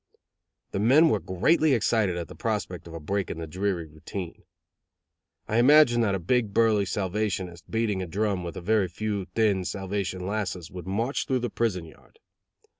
The men were greatly excited at the prospect of a break in the dreary routine. I imagined that a big burly Salvationist, beating a drum, with a few very thin Salvation lasses, would march through the prison yard.